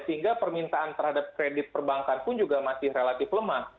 sehingga permintaan terhadap kredit perbankan pun juga masih relatif lemah